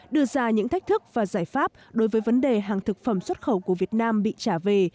đưa ra những thách thức và giải pháp đối với vấn đề hàng thực phẩm xuất khẩu của việt nam bị trả về